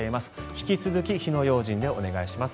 引き続き火の用心でお願いします。